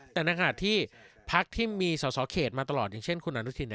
แต่ในหากที่ภักดิ์ที่มีสอสเขตมาตลอดอย่างเช่นคุณอันนุธิน